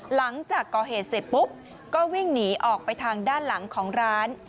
หลังจากก่อเหตุเสร็จปุ๊บก็วิ่งหนีออกไปทางด้านหลังของร้าน